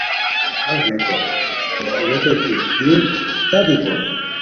ہݰ ریکو ہے واؤ ریتائے کی دی تہ دی بونی